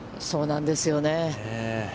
そうなんですよね。